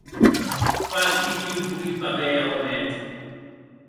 Vaquí quin polit papèr auem hèt.